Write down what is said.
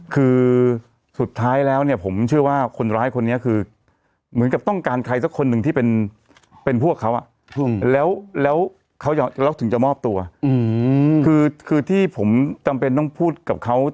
คือที่ผมจำเป็นต้องพูดกับเขา